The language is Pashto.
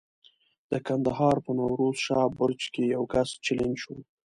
د کندهار په نوروز شاه برج کې یو کس چلنج شو.